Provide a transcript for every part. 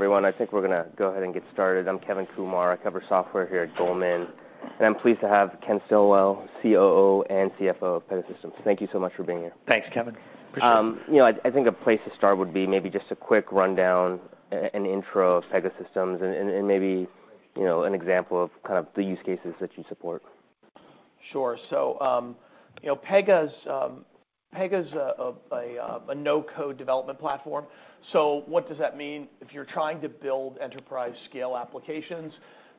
Everyone, I think we're gonna go ahead and get started. I'm Kevin Kumar. I cover software here at Goldman, and I'm pleased to have Ken Stillwell, COO and CFO of Pegasystems. Thank you so much for being here. Thanks, Kevin. Appreciate it. You know, I think a place to start would be maybe just a quick rundown, an intro of Pegasystems and maybe, you know, an example of kind of the use cases that you support. Sure. So, you know, Pega's a no-code development platform. So what does that mean? If you're trying to build enterprise-scale applications,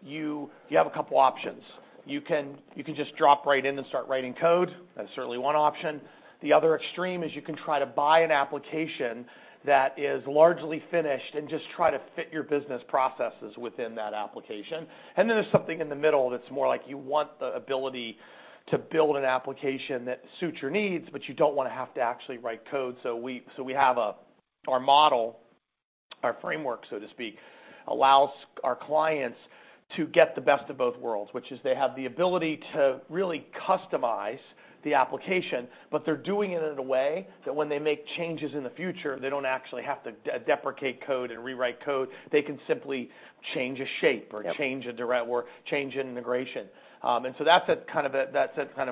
you have a couple options. You can just drop right in and start writing code. That's certainly one option. The other extreme is you can try to buy an application that is largely finished and just try to fit your business processes within that application. And then there's something in the middle that's more like you want the ability to build an application that suits your needs, but you don't wanna have to actually write code. So we have our model, our framework, so to speak, allows our clients to get the best of both worlds, which is they have the ability to really customize the application, but they're doing it in a way that when they make changes in the future, they don't actually have to deprecate code and rewrite code. They can simply change a shape or change a direction or change an integration. And so that's a kind of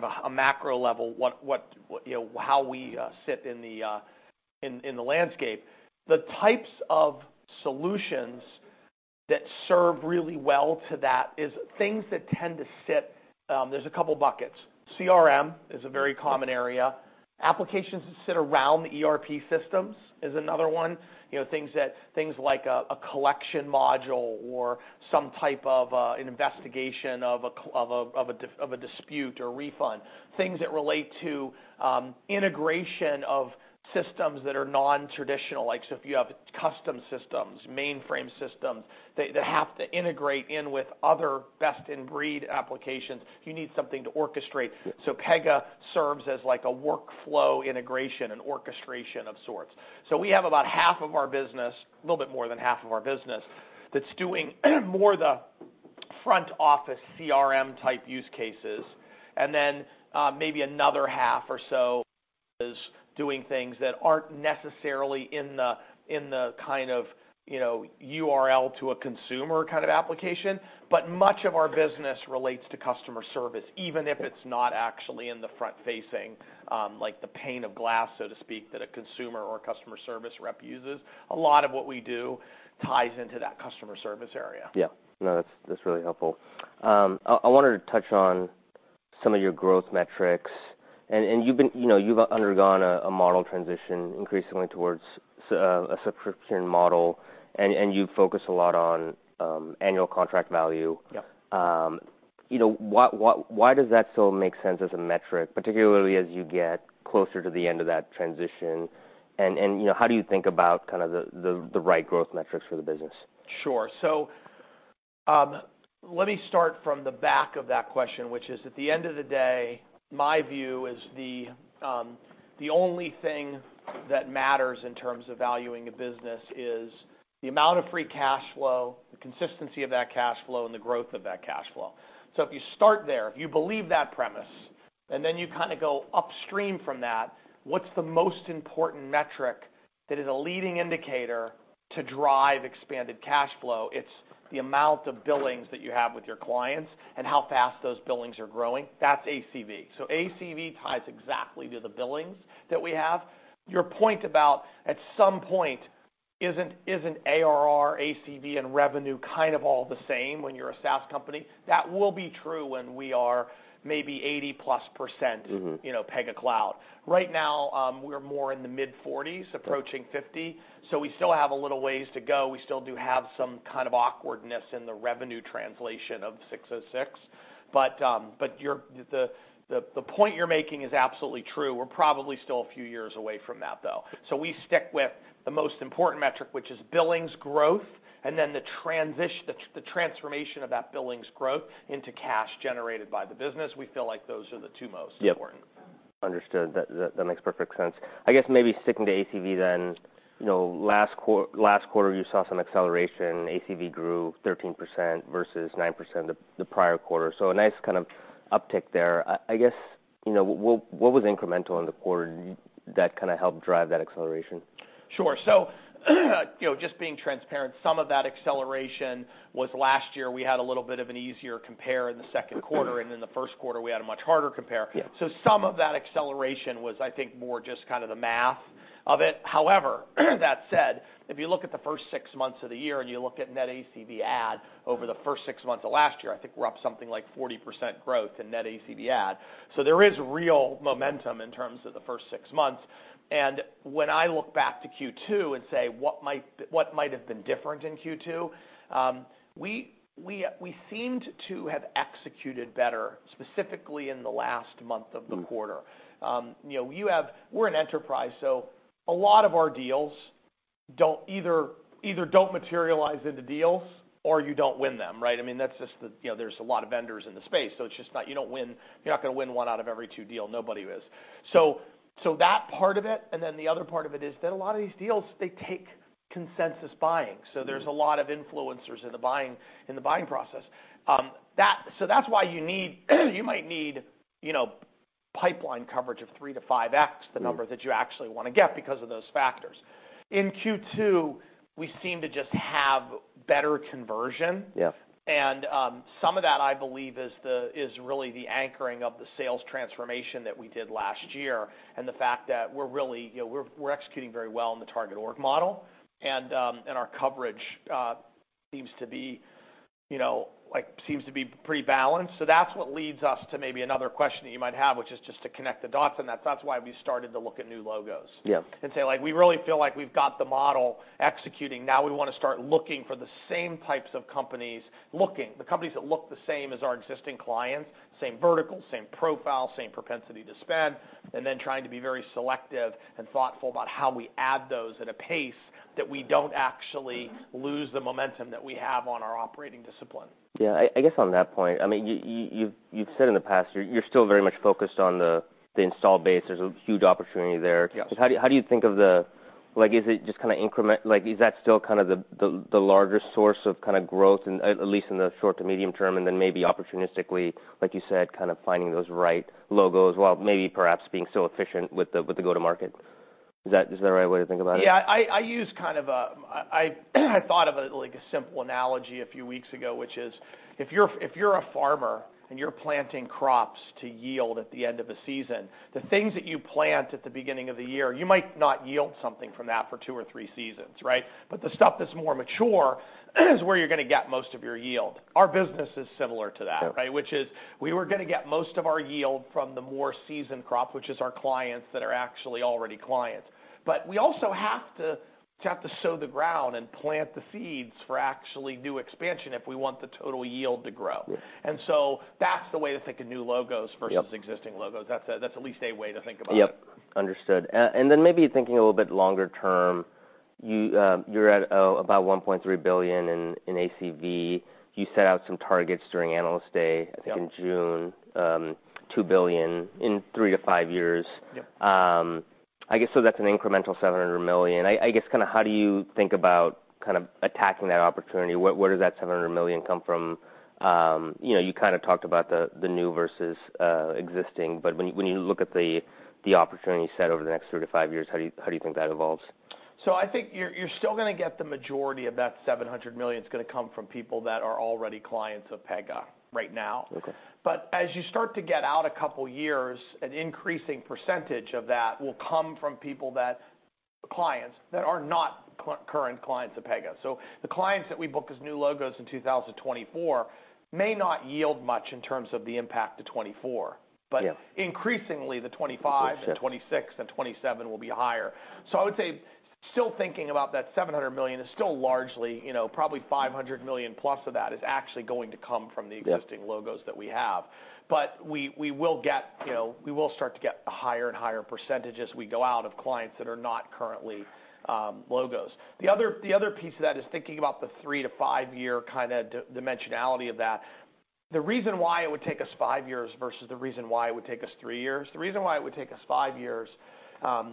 a macro level, what you know, how we sit in the landscape. The types of solutions that serve really well to that is things that tend to sit. There's a couple buckets. CRM is a very common area. Applications that sit around the ERP systems is another one. You know, things like a collection module or some type of an investigation of a dispute or refund. Things that relate to integration of systems that are non-traditional, like, so if you have custom systems, mainframe systems, they have to integrate in with other best-in-breed applications, you need something to orchestrate. Pega serves as like a workflow integration and orchestration of sorts. We have about half of our business, a little bit more than half of our business, that's doing more the front-office CRM-type use cases, and then, maybe another half or so is doing things that aren't necessarily in the kind of, you know, URL to a consumer kind of application. But much of our business relates to customer service, even if it's not actually in the front-facing, like the pane of glass, so to speak, that a consumer or a customer service rep uses. A lot of what we do ties into that customer service area. Yeah. No, that's really helpful. I wanted to touch on some of your growth metrics, and you've been, you know, you've undergone a model transition increasingly towards a subscription model, and you focus a lot on annual contract value. Yep. You know, why does that still make sense as a metric, particularly as you get closer to the end of that transition? And you know, how do you think about kind of the right growth metrics for the business? Sure. So, let me start from the back of that question, which is, at the end of the day, my view is the only thing that matters in terms of valuing a business is the amount of free cash flow, the consistency of that cash flow, and the growth of that cash flow. So if you start there, if you believe that premise, and then you kind of go upstream from that, what's the most important metric that is a leading indicator to drive expanded cash flow? It's the amount of billings that you have with your clients and how fast those billings are growing. That's ACV. So ACV ties exactly to the billings that we have. Your point about, at some point, isn't ARR, ACV, and revenue kind of all the same when you're a SaaS company? That will be true when we are maybe 80+% you know, Pega Cloud. Right now, we're more in the mid-40%, approaching 50%, so we still have a little ways to go. We still do have some kind of awkwardness in the revenue translation of 606. But, the point you're making is absolutely true. We're probably still a few years away from that, though. So we stick with the most important metric, which is billings growth, and then the transformation of that billings growth into cash generated by the business. We feel like those are the two most important. Yep. Understood. That makes perfect sense. I guess maybe sticking to ACV then, you know, last quarter, you saw some acceleration. ACV grew 13% versus 9% the prior quarter, so a nice kind of uptick there. I guess, you know, what was incremental in the quarter that kind of helped drive that acceleration? Sure. So, you know, just being transparent, some of that acceleration was last year, we had a little bit of an easier compare in the second quarter, and in the first quarter, we had a much harder compare. Yeah. So some of that acceleration was, I think, more just kind of the math of it. However, that said, if you look at the first six months of the year and you look at net ACV add over the first six months of last year, I think we're up something like 40% growth in net ACV add. So there is real momentum in terms of the first six months. And when I look back to Q2 and say, what might have been different in Q2? We seemed to have executed better, specifically in the last month of the quarter. You know, you have- we're an enterprise, so a lot of our deals don't either materialize into deals or you don't win them, right? I mean, that's just the. You know, there's a lot of vendors in the space, so it's just not- you're not gonna win one out of every two deal. Nobody is. So that part of it, and then the other part of it is that a lot of these deals, they take consensus buying. So there's a lot of influencers in the buying process. So that's why you need, you might need, you know, pipeline coverage of 3x-5x, the number that you actually want to get because of those factors. In Q2, we seem to just have better conversion. Yes. And, some of that, I believe, is really the anchoring of the sales transformation that we did last year, and the fact that we're really, you know, we're executing very well in the target org model. And, and our coverage seems to be, you know, like, seems to be pretty balanced. So that's what leads us to maybe another question that you might have, which is just to connect the dots, and that's why we started to look at new logos. Yeah. Say, like, we really feel like we've got the model executing. Now, we want to start looking for the same types of companies, the companies that look the same as our existing clients, same vertical, same profile, same propensity to spend, and then trying to be very selective and thoughtful about how we add those at a pace that we don't actually lose the momentum that we have on our operating discipline. Yeah. I guess on that point, I mean, you, you've said in the past, you're still very much focused on the install base. There's a huge opportunity there. Yes. How do you think of the. Like, is it just kind of like, is that still kind of the larger source of kind of growth, at least in the short to medium term, and then maybe opportunistically, like you said, kind of finding those right logos, while maybe perhaps being so efficient with the go-to-market? Is that the right way to think about it? Yeah, I use kind of a, I thought of it like a simple analogy a few weeks ago, which is, if you're a farmer and you're planting crops to yield at the end of a season, the things that you plant at the beginning of the year, you might not yield something from that for two or three seasons, right? But the stuff that's more mature is where you're gonna get most of your yield. Our business is similar to that right? Which is, we were gonna get most of our yield from the more seasoned crop, which is our clients that are actually already clients. But we also have to sow the ground and plant the seeds for actually new expansion if we want the total yield to grow. Yeah. And so that's the way to think of new logos versus existing logos. That's at least a way to think about it. Yep, understood, and then maybe thinking a little bit longer term, you're at about $1.3 billion in ACV. You set out some targets during Analyst Day. I think in June $2 billion in 3-5 years. Yep. I guess, so that's an incremental $700 million. I guess, kind of how do you think about kind of attacking that opportunity? Where does that $700 million come from? You know, you kind of talked about the new versus existing, but when you look at the opportunity set over the next 3-5 years, how do you think that evolves? I think you're still gonna get the majority of that $700 million. It's gonna come from people that are already clients of Pega right now. But as you start to get out a couple of years, an increasing percentage of that will come from clients that are not current clients of Pega. So the clients that we book as new logos in 2024 may not yield much in terms of the impact to 2024. Yeah. But increasingly, the 2025 2026 and 2026 and 2027 will be higher. So I would say, still thinking about that $700 million is still largely, you know, probably $500 million+ of that is actually going to come from the existing logos that we have. But we, we will get, you know, we will start to get higher and higher percentages as we go out, of clients that are not currently logos. The other, the other piece of that is thinking about the 3 to 5-year kind of dimensionality of that. The reason why it would take us five years versus the reason why it would take us three years, the reason why it would take us five years,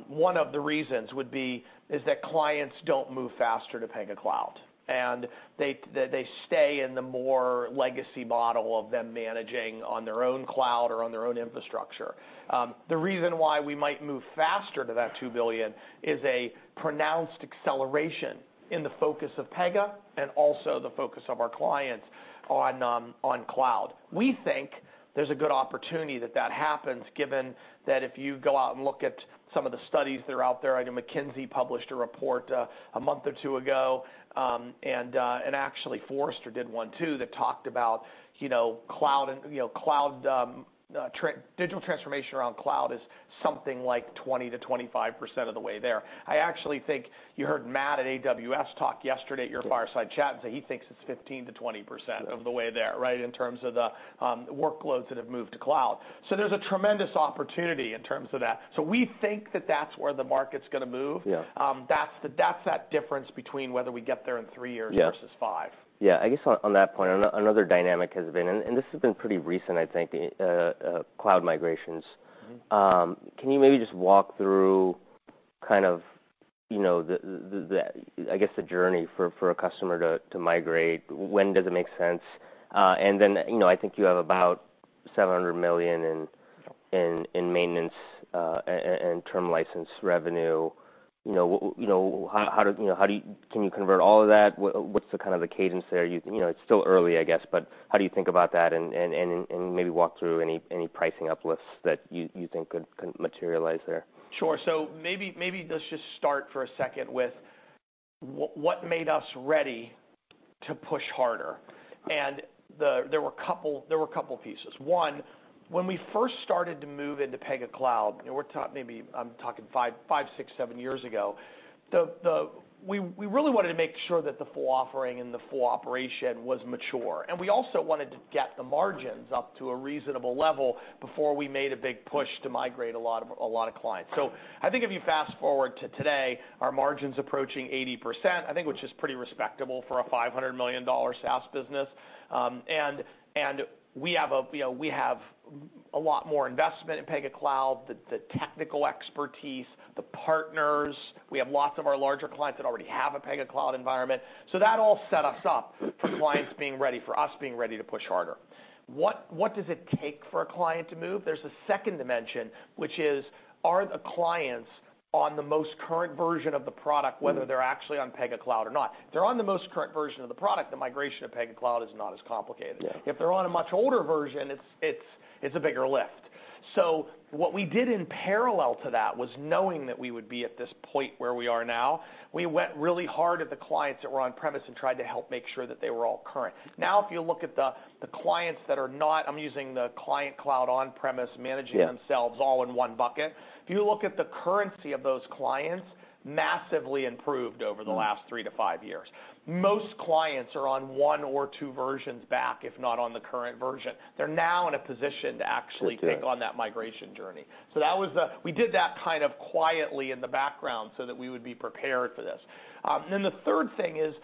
one of the reasons would be, is that clients don't move faster to Pega Cloud, and they- they stay in the more legacy model of them managing on their own cloud or on their own infrastructure. The reason why we might move faster to that $2 billion is a pronounced acceleration in the focus of Pega and also the focus of our clients on cloud. We think there's a good opportunity that that happens, given that if you go out and look at some of the studies that are out there. I know McKinsey published a report a month or two ago, and actually Forrester did one, too, that talked about, you know, cloud and, you know, cloud. Digital transformation around cloud is something like 20%-25% of the way there. I actually think you heard Matt at AWS talk yesterday at your Fireside Chat, and so he thinks it's 15%-20% of the way there, right? In terms of the workloads that have moved to cloud. So there's a tremendous opportunity in terms of that. So we think that that's where the market's gonna move. Yeah. That's that difference between whether we get there in three years versus five. Yeah, I guess on that point, another dynamic has been, and this has been pretty recent, I think, cloud migrations. Can you maybe just walk through kind of, you know, I guess, the journey for a customer to migrate? And then, you know, I think you have about $700 million in maintenance and term license revenue. You know, how do you convert all of that? What's the kind of cadence there? You know, it's still early, I guess, but how do you think about that? And maybe walk through any pricing uplifts that you think could materialize there. Sure. So maybe let's just start for a second with what made us ready to push harder? And there were a couple pieces. One, when we first started to move into Pega Cloud, and we're talking maybe, I'm talking five, six, seven years ago, we really wanted to make sure that the full offering and the full operation was mature. And we also wanted to get the margins up to a reasonable level before we made a big push to migrate a lot of clients. So I think if you fast-forward to today, our margin's approaching 80%, I think, which is pretty respectable for a $500 million SaaS business. And we have a, you know, we have a lot more investment in Pega Cloud, the technical expertise, the partners. We have lots of our larger clients that already have a Pega Cloud environment. So that all set us up for clients being ready, for us being ready to push harder. What, what does it take for a client to move? There's a second dimension, which is, are the clients on the most current version of the product whether they're actually on Pega Cloud or not? If they're on the most current version of the product, the migration of Pega Cloud is not as complicated. Yeah. If they're on a much older version, it's a bigger lift. So what we did in parallel to that was knowing that we would be at this point where we are now, we went really hard at the clients that were on-premise and tried to help make sure that they were all current. Now, if you look at the clients that are not, I'm using the client cloud on-premise, managing themselves all in one bucket. If you look at the currency of those clients, massively improved over the last 3-5 years. Most clients are on one or two versions back, if not on the current version. They're now in a position to actually- Good deal. Take on that migration journey. So that was. We did that kind of quietly in the background so that we would be prepared for this. Then the third thing is,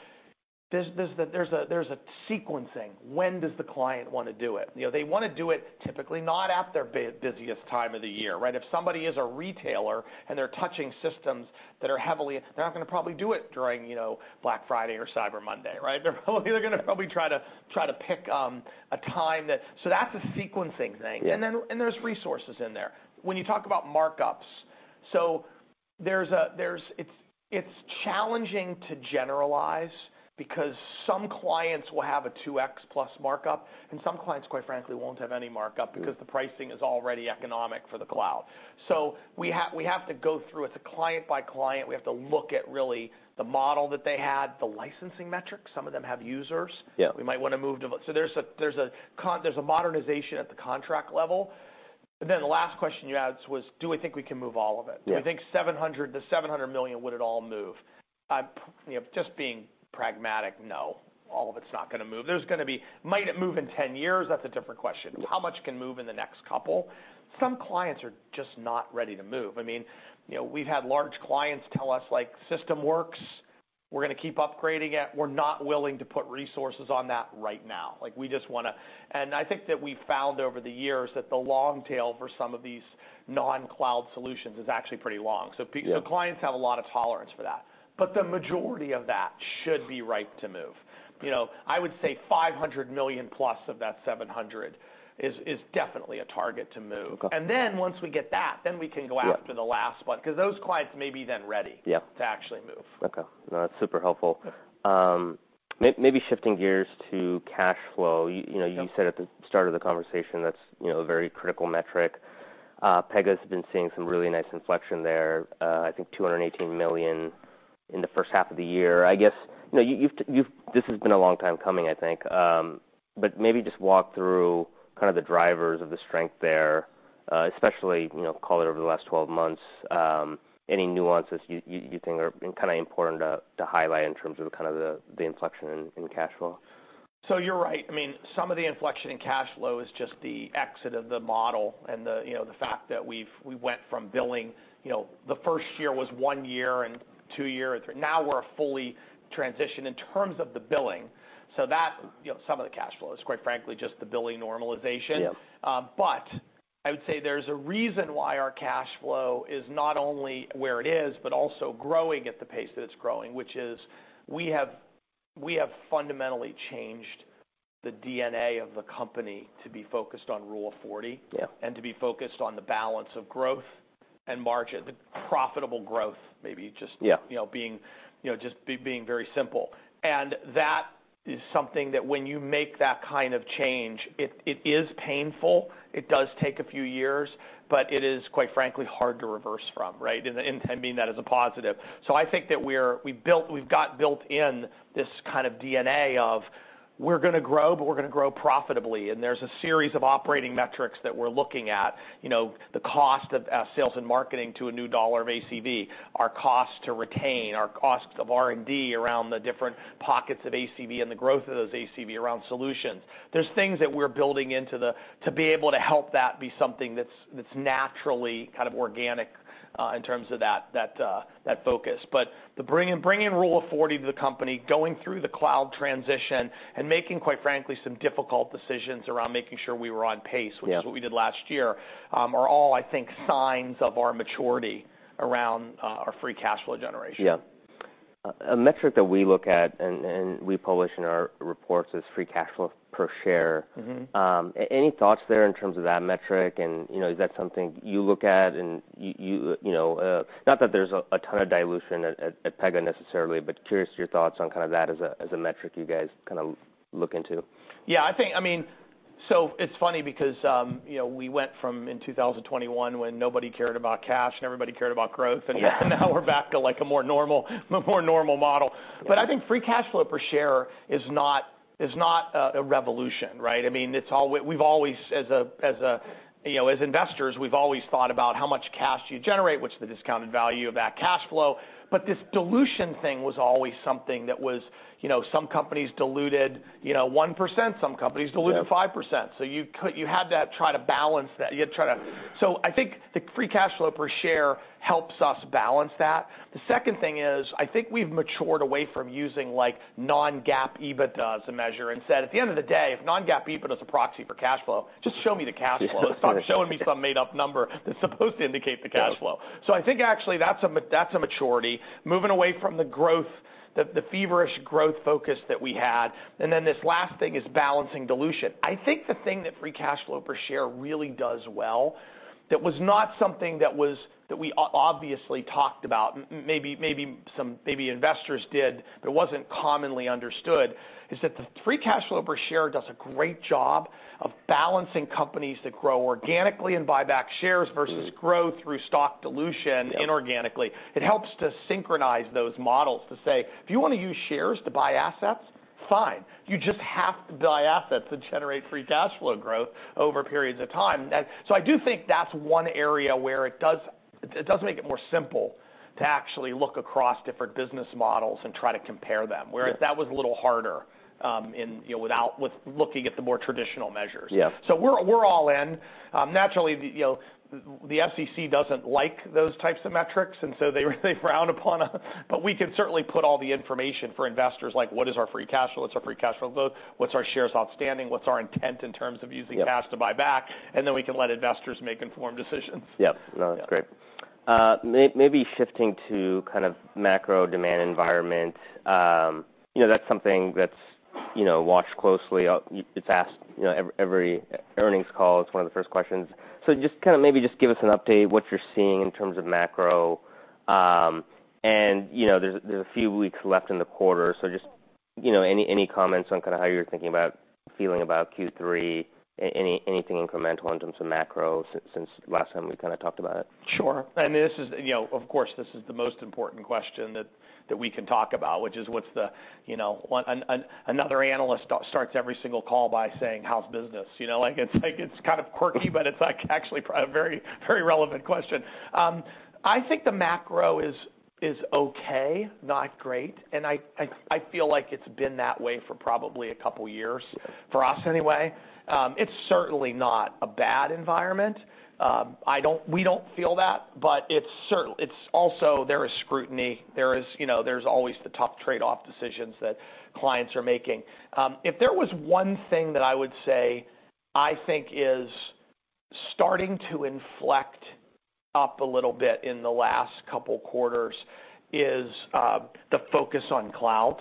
there's a sequencing. When does the client want to do it? You know, they want to do it typically not at their busiest time of the year, right? If somebody is a retailer, and they're touching systems that are heavily.. They're not going to probably do it during, you know, Black Friday or Cyber Monday, right? They're probably gonna try to pick a time that. So that's a sequencing thing. Yeah. And then there's resources in there. When you talk about markups, it's challenging to generalize because some clients will have a 2x+ markup, and some clients, quite frankly, won't have any markup. Because the pricing is already economic for the cloud. So we have to go through. It's a client by client. We have to look at really the model that they had, the licensing metrics. Some of them have users. Yeah. We might want to move to, so there's a modernization at the contract level, and then the last question you asked was, do we think we can move all of it? Yeah. Do we think the $700 million would all move? You know, just being pragmatic, no, all of it's not gonna move. There's gonna be, might it move in 10 years? That's a different question. Yeah. How much can move in the next couple? Some clients are just not ready to move. I mean, you know, we've had large clients tell us, like, "System works. We're gonna keep upgrading it. We're not willing to put resources on that right now. Like, we just wanna-" And I think that we found over the years that the long tail for some of these non-cloud solutions is actually pretty long. Yeah. So clients have a lot of tolerance for that, but the majority of that should be ripe to move. You know, I would say $500 million+ of that $700 million is definitely a target to move. Okay. And then once we get that, then we can go after the last one, because those clients may be then ready to actually move. Okay. No, that's super helpful. Maybe shifting gears to cash flow. You know, you said at the start of the conversation, that's, you know, a very critical metric. Pega's been seeing some really nice inflection there. I think $218 million in the first half of the year. I guess, you know, you've. This has been a long time coming, I think. But maybe just walk through kind of the drivers of the strength there, especially, you know, call it over the last 12 months, any nuances you think are kind of important to highlight in terms of the kind of the inflection in cash flow? So you're right. I mean, some of the inflection in cash flow is just the exit of the model and the, you know, the fact that we went from billing, you know, the first year was one year and two year. Now, we're fully transitioned in terms of the billing, so that, you know, some of the cash flow is, quite frankly, just the billing normalization. Yeah. But I would say there's a reason why our cash flow is not only where it is, but also growing at the pace that it's growing, which is we have fundamentally changed the DNA of the company to be focused on Rule of 40 and to be focused on the balance of growth and margin, the profitable growth, maybe just you know, being very simple. And that is something that when you make that kind of change, it is painful, it does take a few years, but it is, quite frankly, hard to reverse from, right? And I mean that as a positive. So I think that we've got built in this kind of DNA of we're gonna grow, but we're gonna grow profitably. And there's a series of operating metrics that we're looking at, you know, the cost of sales and marketing to a new dollar of ACV, our cost to retain, our costs of R&D around the different pockets of ACV and the growth of those ACV around solutions. There's things that we're building into to be able to help that be something that's naturally kind of organic in terms of that focus. But bringing Rule of 40 to the company, going through the cloud transition, and making, quite frankly, some difficult decisions around making sure we were on pace which is what we did last year, are all, I think, signs of our maturity around our free cash flow generation. Yeah. A metric that we look at and we publish in our reports is free cash flow per share. Any thoughts there in terms of that metric? And, you know, is that something you look at and you know, not that there's a ton of dilution at Pega necessarily, but curious to your thoughts on kind of that as a metric you guys kind of look into. Yeah, I think. I mean, so it's funny because, you know, we went from, in 2021, when nobody cared about cash and everybody cared about growth, and now we're back to, like, a more normal model. But I think free cash flow per share is not a revolution, right? I mean, it's all we've always, as a you know, as investors, we've always thought about how much cash do you generate, what's the discounted value of that cash flow? But this dilution thing was always something that was, you know, some companies diluted, you know, 1%, some companies diluted 5%. Yeah. You had to try to balance that. So I think the free cash flow per share helps us balance that. The second thing is, I think we've matured away from using, like, non-GAAP EBITDA as a measure. Instead, at the end of the day, if non-GAAP EBITDA is a proxy for cash flow, just show me the cash flow. Stop showing me some made-up number that's supposed to indicate the cash flow. Yeah. So I think actually that's a maturity, moving away from the feverish growth focus that we had, and then this last thing is balancing dilution. I think the thing that free cash flow per share really does well, that was not something that we obviously talked about, maybe some investors did, but it wasn't commonly understood, is that the free cash flow per share does a great job of balancing companies that grow organically and buy back shares. versus growth through stock dilution inorganically. Yep. It helps to synchronize those models, to say, "If you wanna use shares to buy assets, fine. You just have to buy assets that generate free cash flow growth over periods of time." And so I do think that's one area where it does, it does make it more simple to actually look across different business models and try to compare them- Whereas that was a little harder, in, you know, with looking at the more traditional measures. Yep. So we're all in. Naturally, you know, the SEC doesn't like those types of metrics, and so they really frown upon them, but we can certainly put all the information for investors, like what is our free cash flow? What's our free cash flow load? What's our shares outstanding? What's our intent in terms of using cash to buy back? And then we can let investors make informed decisions. Yep. No, that's great. Maybe shifting to kind of macro demand environment, you know, that's something that's, you know, watched closely. It's asked, you know, every earnings call. It's one of the first questions. So just kinda maybe just give us an update, what you're seeing in terms of macro. And, you know, there's a few weeks left in the quarter, so just, you know, any comments on kinda how you're thinking about, feeling about Q3? Anything incremental in terms of macro since last time we kinda talked about it? Sure. I mean, this is. You know, of course, this is the most important question that we can talk about, which is, what's the, you know, another analyst starts every single call by saying: How's business? You know, like, it's like, it's kind of quirky, but it's, like, actually a very, very relevant question. I think the macro is okay, not great, and I feel like it's been that way for probably a couple years, for us anyway. It's certainly not a bad environment. We don't feel that, but it's also there is scrutiny. There is, you know, there's always the tough trade-off decisions that clients are making. If there was one thing that I would say, I think is starting to inflect up a little bit in the last couple quarters, is the focus on cloud.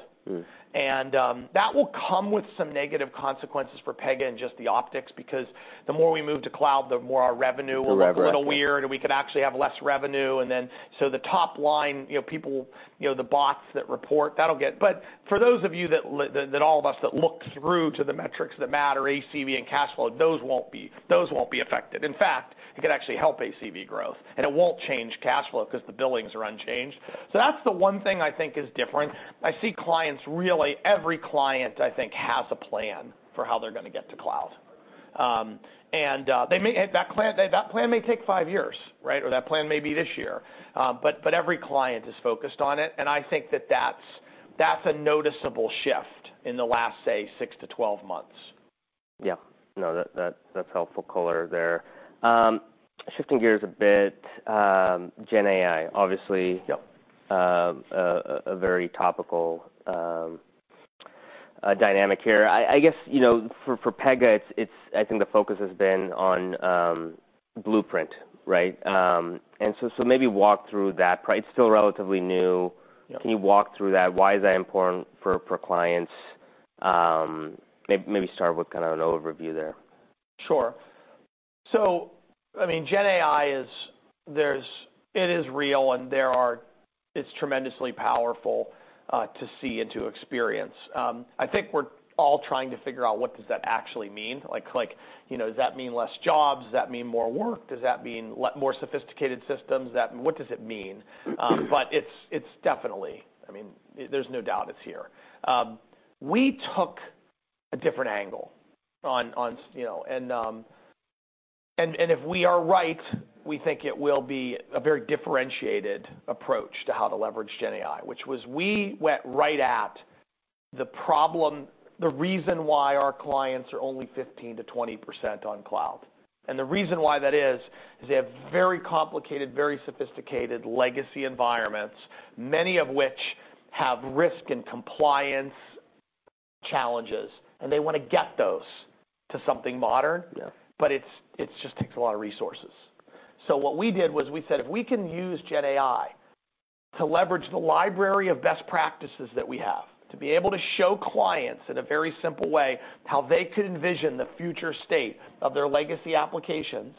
And, that will come with some negative consequences for Pega and just the optics, because the more we move to cloud, the more our revenue- The revenue. It will look a little weird, and we could actually have less revenue, and then so the top line, you know, people, you know, the bots that report, that'll get. But for those of you, that all of us that look through to the metrics that matter, ACV and cash flow, those won't be, those won't be affected. In fact, it could actually help ACV growth, and it won't change cash flow 'cause the billings are unchanged. So that's the one thing I think is different. I see clients really. Every client, I think, has a plan for how they're gonna get to cloud, and they may, and that plan, that plan may take five years, right? Or that plan may be this year. But every client is focused on it, and I think that's a noticeable shift in the last, say, six to 12 months. Yeah. No, that, that's helpful color there. Shifting gears a bit, GenAI, obviously a very topical dynamic here. I guess, you know, for Pega, it's I think the focus has been on Blueprint, right? And so maybe walk through that. It's still relatively new. Can you walk through that? Why is that important for clients? Maybe start with kind of an overview there. Sure. So I mean, GenAI is real, and it's tremendously powerful to see and to experience. I think we're all trying to figure out what does that actually mean. Like, you know, does that mean less jobs? Does that mean more work? Does that mean more sophisticated systems? What does it mean? But it's definitely. I mean, there's no doubt it's here. We took a different angle on you know, and if we are right, we think it will be a very differentiated approach to how to leverage GenAI, which was we went right at the problem, the reason why our clients are only 15%-20% on cloud. The reason why that is they have very complicated, very sophisticated legacy environments, many of which have risk and compliance challenges, and they wanna get those to something modern. Yeah. But it just takes a lot of resources. So what we did was we said, if we can use GenAI to leverage the library of best practices that we have, to be able to show clients in a very simple way, how they could envision the future state of their legacy applications,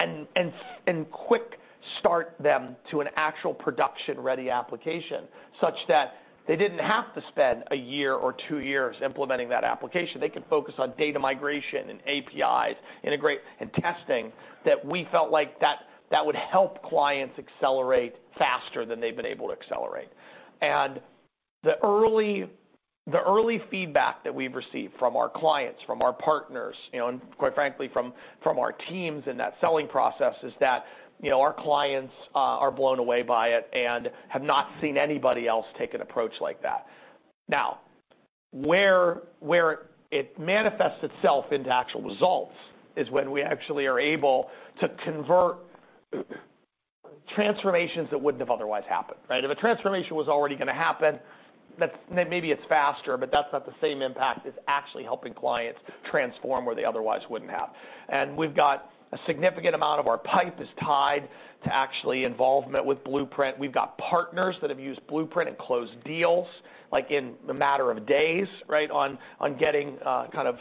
and quick start them to an actual production-ready application, such that they didn't have to spend a year or two years implementing that application. They could focus on data migration and APIs, integrate and testing, that we felt like that would help clients accelerate faster than they've been able to accelerate. And the early feedback that we've received from our clients, from our partners, you know, and quite frankly, from our teams in that selling process, is that, you know, our clients are blown away by it and have not seen anybody else take an approach like that. Now, where it manifests itself into actual results is when we actually are able to convert transformations that wouldn't have otherwise happened, right? If a transformation was already gonna happen, that's maybe it's faster, but that's not the same impact as actually helping clients transform where they otherwise wouldn't have. And we've got a significant amount of our pipe is tied to actually involvement with Blueprint. We've got partners that have used Blueprint and closed deals, like, in a matter of days, right, on getting kind of,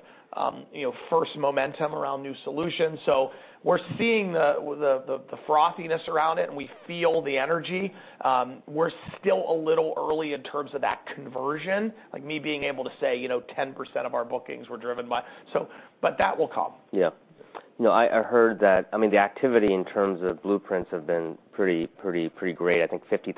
you know, first momentum around new solutions. So we're seeing the frothiness around it, and we feel the energy. We're still a little early in terms of that conversion, like me being able to say, you know, 10% of our bookings were driven by. So, but that will come. Yeah. You know, I heard that, I mean, the activity in terms of Blueprints have been pretty, pretty, pretty great. I think 50,000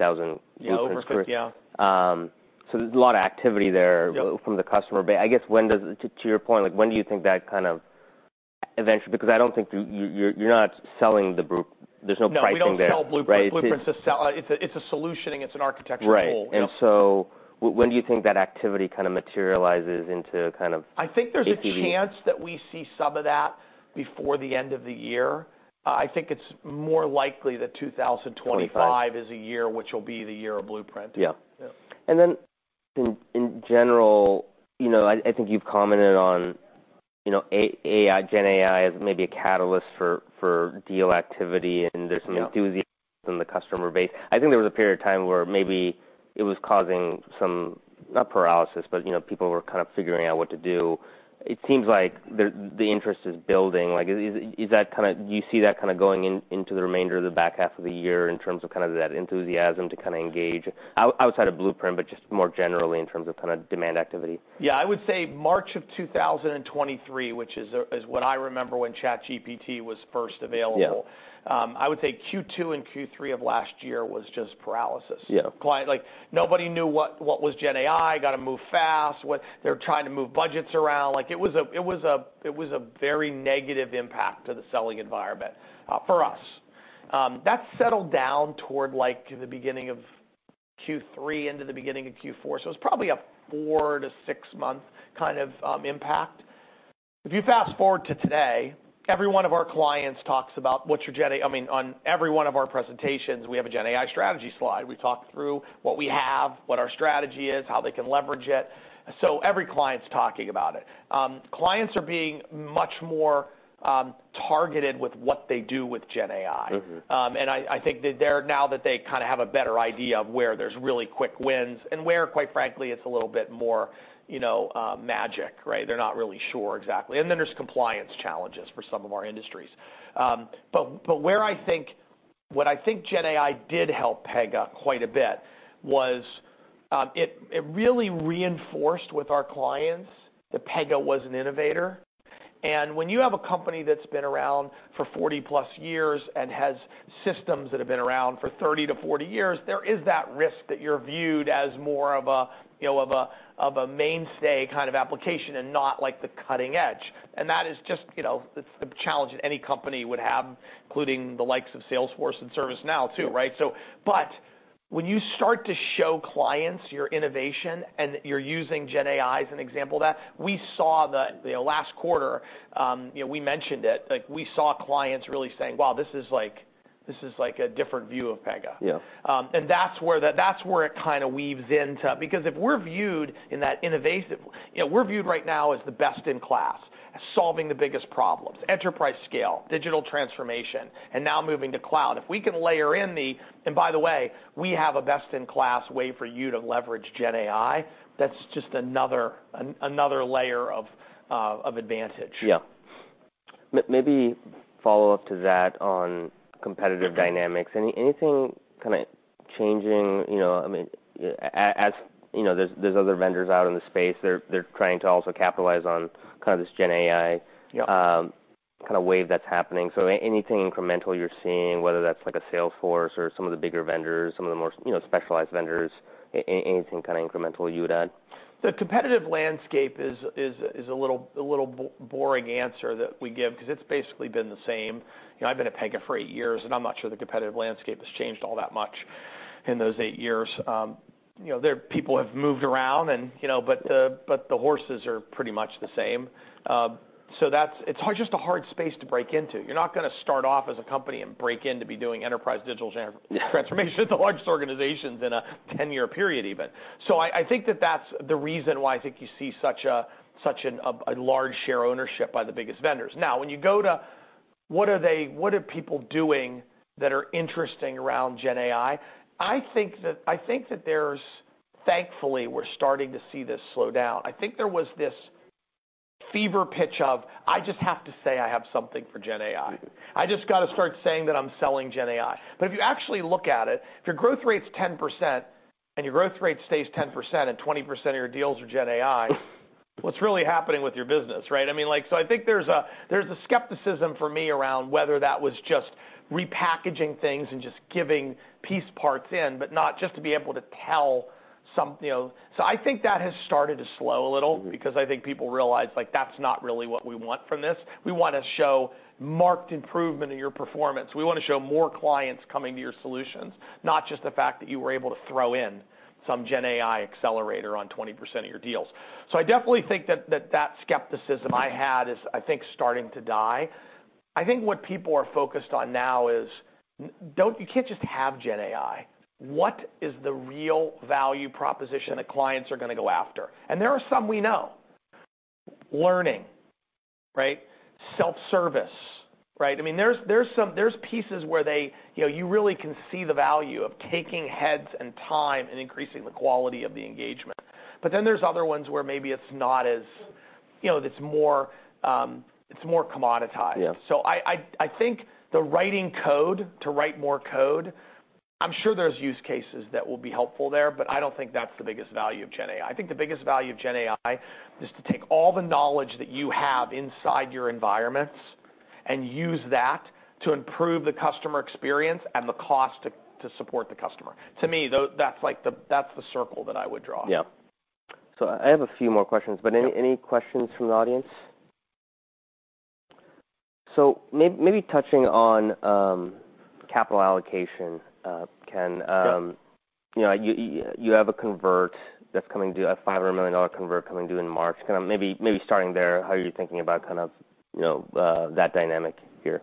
Blueprints- Yeah, over 50, yeah. So there's a lot of activity there- Yep From the customer, but I guess when does to your point, like, when do you think that kind of eventually, because I don't think you're selling the Blueprint, there's no pricing there, right? No, we don't sell Blueprint. Right. Blueprint's a solution, and it's an architectural tool. Right. Yeah. And so when do you think that activity kind of materializes into kind of- I think there's a chance- ACV? -that we see some of that before the end of the year. I think it's more likely that 2025- 2025 is a year, which will be the year of Blueprint. Yeah. Yeah. And then, in general, you know, I think you've commented on, you know, AI, GenAI as maybe a catalyst for deal activity, and there's some enthusiasm from the customer base. I think there was a period of time where maybe it was causing some, not paralysis, but, you know, people were kind of figuring out what to do. It seems like the, the interest is building. Like, is, is that kind of. Do you see that kind of going into the remainder of the back half of the year in terms of kind of that enthusiasm to kind of engage, outside of Blueprint, but just more generally in terms of kind of demand activity? Yeah, I would say March of 2023, which is what I remember when ChatGPT was first available I would say Q2 and Q3 of last year was just paralysis. Yeah. Clients, like, nobody knew what GenAI was, gotta move fast, what. They're trying to move budgets around. Like, it was a very negative impact to the selling environment for us. That settled down toward, like, the beginning of Q3 into the beginning of Q4, so it's probably a 4- to 6-month kind of impact. If you fast-forward to today, every one of our clients talks about what's your GenAI - I mean, on every one of our presentations, we have a GenAI strategy slide. We talk through what we have, what our strategy is, how they can leverage it, so every client's talking about it. Clients are being much more targeted with what they do with GenAI. And I think that they're now that they kind of have a better idea of where there's really quick wins and where, quite frankly, it's a little bit more, you know, magic, right? They're not really sure exactly. And then there's compliance challenges for some of our industries. But what I think GenAI did help Pega quite a bit was it really reinforced with our clients that Pega was an innovator. And when you have a company that's been around for 40+ years and has systems that have been around for 30-40 years, there is that risk that you're viewed as more of a, you know, of a mainstay kind of application and not, like, the cutting edge. And that is just, you know, it's the challenge that any company would have, including the likes of Salesforce and ServiceNow, too, right? Yeah. So, but when you start to show clients your innovation, and you're using GenAI as an example of that, we saw that. You know, last quarter, you know, we mentioned it, like, we saw clients really saying, "Wow, this is like, this is like a different view of Pega. Yeah. And that's where it kind of weaves into because if we're viewed in that innovative you know, we're viewed right now as the best-in-class at solving the biggest problems, enterprise scale, digital transformation, and now moving to cloud. If we can layer in the, "And by the way, we have a best-in-class way for you to leverage GenAI," that's just another layer of advantage. Yeah. Maybe follow up to that on competitive dynamics. Anything kind of changing, you know? I mean, as you know, there's other vendors out in the space. They're trying to also capitalize on kind of this GenAI kind of wave that's happening. So anything incremental you're seeing, whether that's like a Salesforce or some of the bigger vendors, some of the more, you know, specialized vendors, anything kind of incremental you would add? The competitive landscape is a little boring answer that we give because it's basically been the same. You know, I've been at Pega for eight years, and I'm not sure the competitive landscape has changed all that much in those eight years. You know, people have moved around and, you know, but the horses are pretty much the same. So it's hard, just a hard space to break into. You're not gonna start off as a company and break in to be doing enterprise digital transformation at the largest organizations in a ten-year period, even. So I think that that's the reason why I think you see such a large share ownership by the biggest vendors. Now, when you go to what are people doing that are interesting around GenAI? I think that there's. Thankfully, we're starting to see this slow down. I think there was this fever pitch of, "I just have to say I have something for GenAI. I just got to start saying that I'm selling GenAI." But if you actually look at it, if your growth rate's 10%, and your growth rate stays 10%, and 20% of your deals are GenAI, what's really happening with your business, right? I mean, like, so I think there's a skepticism for me around whether that was just repackaging things and just giving piece parts in, but not just to be able to tell some- you know. So I think that has started to slow a little because I think people realize, like, that's not really what we want from this. We want to show marked improvement in your performance. We want to show more clients coming to your solutions, not just the fact that you were able to throw in some GenAI accelerator on 20% of your deals. So I definitely think that, that skepticism I had is, I think, starting to die. I think what people are focused on now is, you can't just have GenAI. What is the real value proposition that clients are gonna go after? And there are some we know. Learning, right? Self-service, right? I mean, there's some pieces where they, you know, you really can see the value of taking heads and time, and increasing the quality of the engagement. But then there's other ones where maybe it's not as, you know, it's more commoditized. So I think the writing code to write more code. I'm sure there's use cases that will be helpful there, but I don't think that's the biggest value of GenAI. I think the biggest value of GenAI is to take all the knowledge that you have inside your environments, and use that to improve the customer experience and the cost to support the customer. To me, though, that's like the. That's the circle that I would draw. Yeah, so I have a few more questions, but any questions from the audience? So maybe touching on capital allocation, Ken. Sure. You know, you have a convert that's coming due, a $500 million convert coming due in March. Kind of maybe starting there, how are you thinking about kind of, you know, that dynamic here?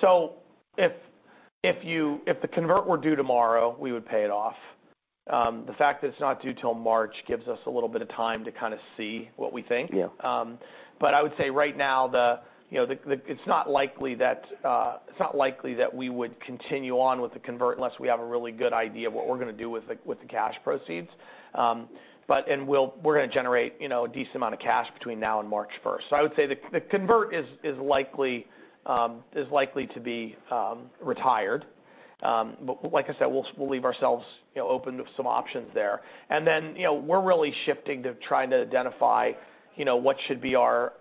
So if the convertible were due tomorrow, we would pay it off. The fact that it's not due till March gives us a little bit of time to kind of see what we think. But I would say right now, you know, it's not likely that we would continue on with the convert unless we have a really good idea of what we're gonna do with the cash proceeds. But we're gonna generate, you know, a decent amount of cash between now and March 1st. So I would say the convert is likely to be retired. But like I said, we'll leave ourselves, you know, open to some options there. And then, you know, we're really shifting to trying to identify, you know, what should be our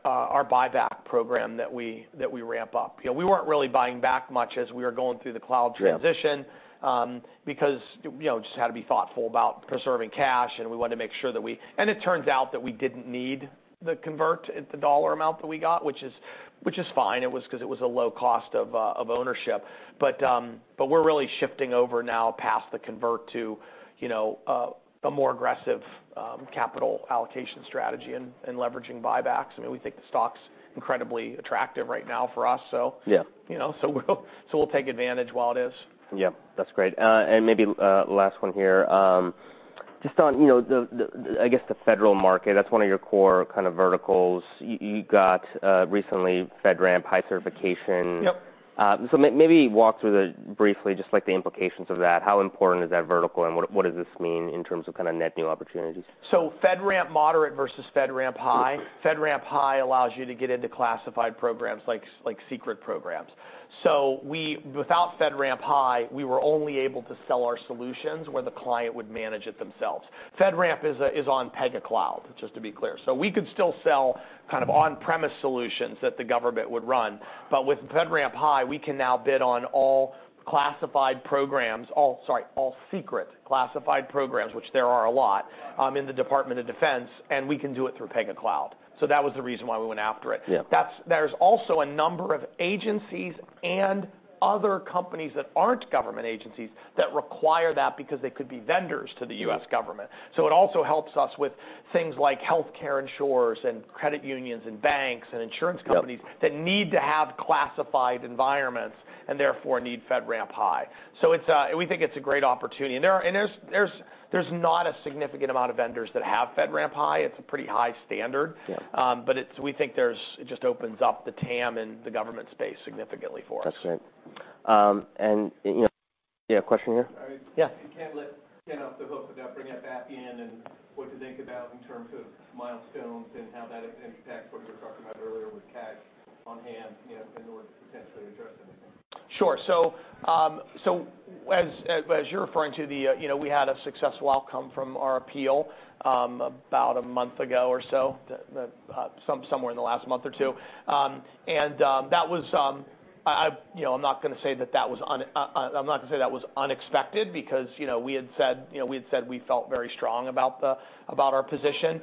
buyback program that we ramp up. You know, we weren't really buying back much as we were going through the cloud transition. Yeah because, you know, just had to be thoughtful about preserving cash, and we wanted to make sure that we. It turns out that we didn't need the convert at the dollar amount that we got, which is fine. It was 'cause it was a low cost of ownership. But we're really shifting over now past the convert to, you know, a more aggressive capital allocation strategy and leveraging buybacks. I mean, we think the stock's incredibly attractive right now for us, so you know, so we'll take advantage while it is. Yeah. That's great. And maybe last one here. Just on, you know, the, the, I guess, the federal market, that's one of your core kind of verticals. You got recently FedRAMP High certification. Yep. So, maybe walk through, briefly, just like, the implications of that. How important is that vertical, and what does this mean in terms of kind of net new opportunities? FedRAMP Moderate versus FedRAMP High. FedRAMP High allows you to get into classified programs like secret programs. Without FedRAMP High, we were only able to sell our solutions where the client would manage it themselves. FedRAMP is on Pega Cloud, just to be clear. We could still sell kind of on-premise solutions that the government would run, but with FedRAMP High, we can now bid on all classified programs, all secret classified programs, which there are a lot in the Department of Defense, and we can do it through Pega Cloud, so that was the reason why we went after it. Yeah. There's also a number of agencies and other companies that aren't government agencies that require that because they could be vendors to the U.S. Government. Sure. So it also helps us with things like healthcare insurers, credit unions, banks, and insurance companies that need to have classified environments, and therefore need FedRAMP High. So it's, we think it's a great opportunity. And there's not a significant amount of vendors that have FedRAMP High. It's a pretty high standard. Yeah. But we think it just opens up the TAM in the government space significantly for us. That's great, and you know. You have a question here? All right. Yeah. We can't let Ken off the hook without bringing up Appian and what to think about in terms of milestones and how that impacts what you were talking about earlier with cash on hand, you know, in order to potentially address anything. Sure. So as you're referring to, you know, we had a successful outcome from our appeal about a month ago or so, somewhere in the last month or two. That was. You know, I'm not gonna say that that was unexpected because, you know, we had said, you know, we had said we felt very strong about our position.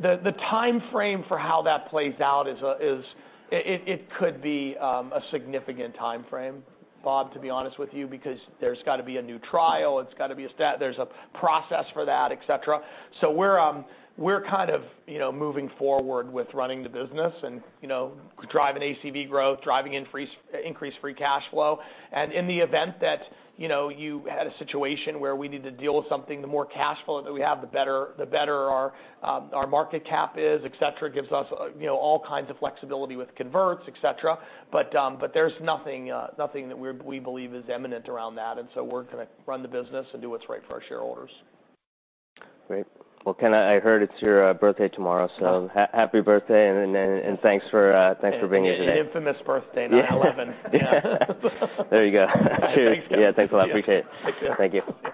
The timeframe for how that plays out is. It could be a significant timeframe, Bob, to be honest with you, because there's got to be a new trial, it's got to be. There's a process for that, et cetera. We're kind of, you know, moving forward with running the business and, you know, driving ACV growth, driving increased free cash flow. And in the event that, you know, you had a situation where we need to deal with something, the more cash flow that we have, the better our market cap is, et cetera. It gives us, you know, all kinds of flexibility with converts, et cetera. But there's nothing that we believe is imminent around that, and so we're gonna run the business and do what's right for our shareholders. Great. Ken, I heard it's your birthday tomorrow, so happy birthday, and then, and thanks for being here today. The infamous birthday, nine eleven. There you go. Thanks, guys. Yeah, thanks a lot. Appreciate it. Take care. Thank you.